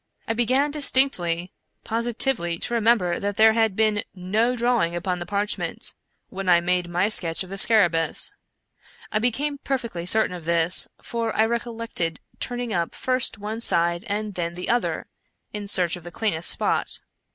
I began distinctly, positively, to remember that there had been no drawing upon the parchment, when I made my sketch of the scarabcous. I became perfectly certain of this; for I recollected turning up first one side and then the other, in search of the cleanest spot.